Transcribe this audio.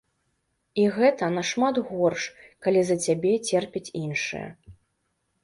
І гэта нашмат горш, калі за цябе церпяць іншыя.